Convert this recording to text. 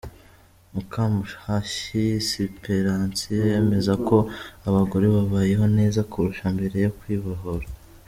Mukamuhashyi Siperansiya yemeza ko abagore babayeho neza kurusha mbere yo kwibohora.